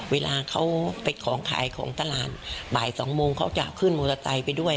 เวลาเขาไปของขายของตลาดบ่าย๒โมงเขาจะขึ้นมอเตอร์ไซค์ไปด้วย